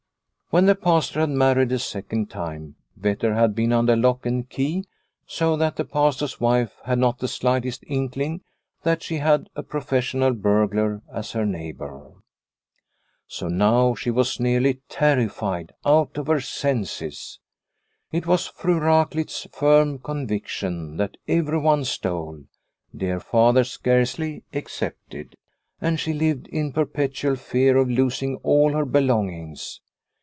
When the Pastor had married a second time, Vetter had been under lock and key, so that the Pastor's wife had not the slightest inkling that she had a professional burglar as her neighbour. So now she was nearly terrified out of her senses. It was Fru Raklitz's firm conviction that everyone stole, dear father scarcely ex cepted, and she lived in perpetual fear of losing all her belongings.